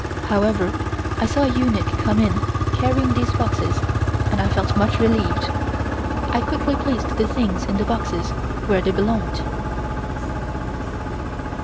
However, I saw a eunuch come in carrying these boxes and felt much relieved. I quickly placed the things in the boxes where they belonged.